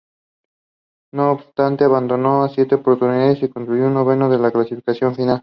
No obstante, abandonó en siete oportunidades y concluyó noveno en el clasificador final.